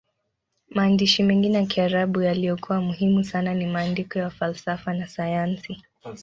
Maandishi mengine ya Kiarabu yaliyokuwa muhimu sana ni maandiko ya falsafa na sayansi.